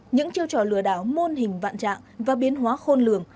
những chiêu trò lừa đảo môn hình vạn trạng và biến hóa khôn lường